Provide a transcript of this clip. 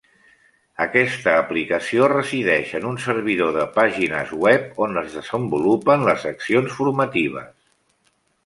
Aquesta aplicació resideix en un servidor de pàgines web on es desenvolupen les accions formatives.